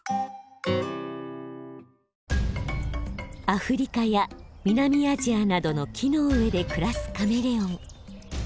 アフリカや南アジアなどの木の上で暮らすカメレオン。